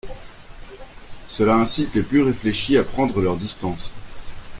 Cela incite les plus réfléchis à prendre leurs distances.